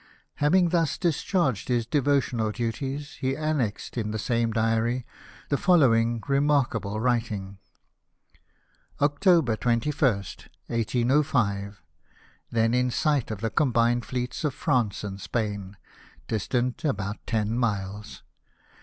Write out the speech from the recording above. Having thus discharged his devotional duties, he annexed, in the same diary, the following remarkable writing :—" October 21st, 1805. — Then in sight of the combined fleets of France and Sixain, distant about ten miles.